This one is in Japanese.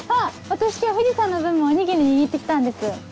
私今日藤さんの分もおにぎり握って来たんです。